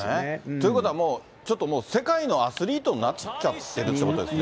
ということは、もう、ちょっと世界のアスリートになっちゃってるってことですね。